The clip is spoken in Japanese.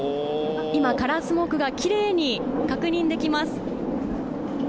今、カラースモークがきれいに確認できます。